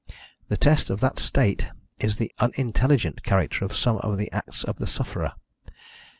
The test of that state is the unintelligent character of some of the acts of the sufferer.